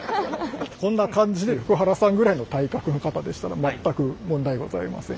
こんな感じで福原さんぐらいの体格の方でしたら全く問題ございません。